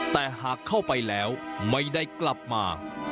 แต่หากเข้าไปแล้วไม่ได้กลับมา